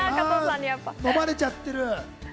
読まれちゃってる。